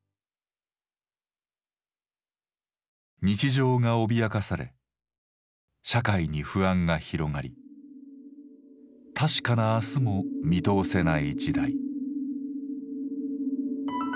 日常が脅かされ社会に不安が広がり確かな明日も見通せない時代。